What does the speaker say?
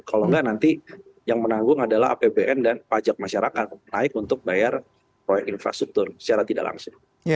kalau enggak nanti yang menanggung adalah apbn dan pajak masyarakat naik untuk bayar proyek infrastruktur secara tidak langsung